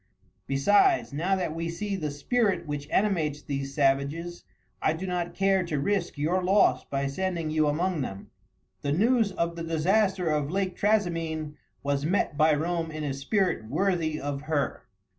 Besides, now that we see the spirit which animates these savages, I do not care to risk your loss by sending you among them." The news of the disaster of Lake Trasimene was met by Rome in a spirit worthy of her.